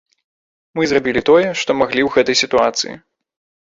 Мы зрабілі тое, што маглі ў гэтай сітуацыі.